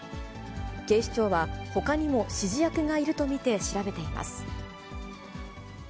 警視庁は、ほかにも指示役がいると見て調べています。